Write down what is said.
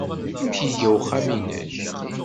Amek iga uxxam-nnek?